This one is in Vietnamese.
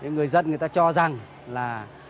người dân người ta cho rằng là